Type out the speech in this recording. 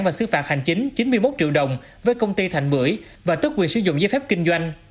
và xứ phạt hành chính chín mươi một triệu đồng với công ty thành bưởi và tức quyền sử dụng giấy phép kinh doanh